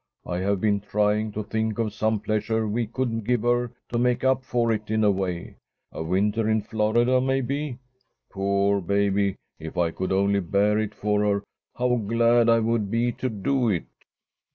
I have been trying to think of some pleasure we could give her to make up for it in a way. A winter in Florida, maybe. Poor baby! if I could only bear it for her, how glad I would be to do it!"